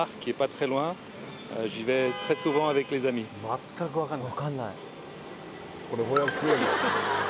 全く分かんない。